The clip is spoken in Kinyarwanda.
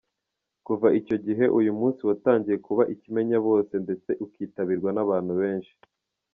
Kuva icyo gihe, uyu munsi watangiye kuba ikimenyabose ndetse ukitabirwa n’abantu benshi.